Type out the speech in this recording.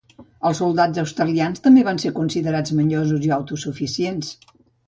Els soldats australians també van ser considerats manyosos i autosuficients.